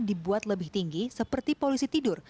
dibuat lebih tinggi seperti polisi tidur